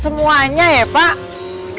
semuanya ya pak